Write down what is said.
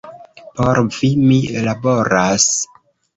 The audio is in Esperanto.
Por vi, mi laboras.